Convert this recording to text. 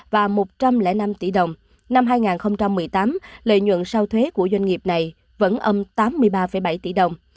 và một trăm linh năm tỷ đồng năm hai nghìn một mươi tám lợi nhuận sau thuế của doanh nghiệp này vẫn âm tám mươi ba bảy tỷ đồng